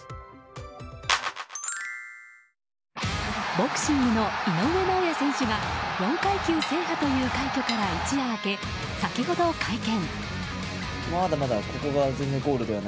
ボクシングの井上尚弥選手が４階級制覇という快挙から一夜明け、先ほど会見。